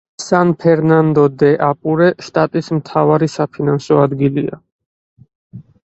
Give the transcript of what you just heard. სან-ფერნანდო-დე-აპურე შტატის მთავარი საფინანსო ადგილია.